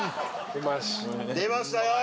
出ましたよ。